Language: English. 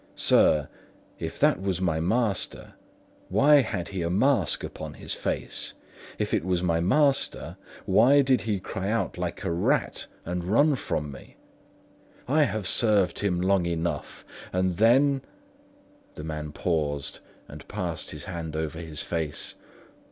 Sir, if that was my master, why had he a mask upon his face? If it was my master, why did he cry out like a rat, and run from me? I have served him long enough. And then..." The man paused and passed his hand over his face.